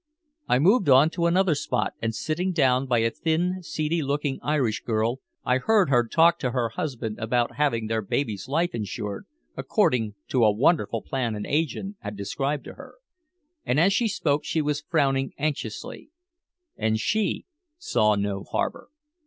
I moved on to another spot, and sitting down by a thin seedy looking Irish girl I heard her talk to her husband about having their baby's life insured according to a wonderful plan an agent had described to her. As she spoke she was frowning anxiously and she saw no harbor.